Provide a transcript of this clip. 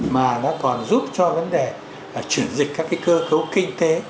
mà nó còn giúp cho vấn đề chuyển dịch các cơ cấu kinh tế